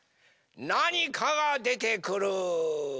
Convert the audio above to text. なにかがでてくる！